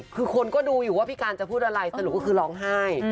คือคนก็ดูอยู่ว่าพี่การจะพูดอะไรสรุปก็คือร้องไห้